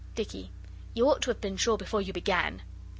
DICKY. (You ought to have been sure before you began.